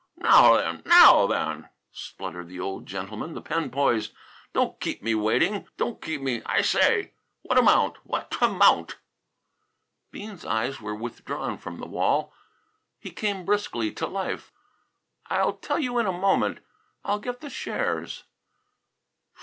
"Now then, now then!" spluttered the old gentleman, the pen poised. "Don't keep me waiting; don't keep me, I say! What amount? Wha' tamount?" Bean's eyes were withdrawn from the wall. He came briskly to life. "I'll tell you in a moment. I'll get the shares."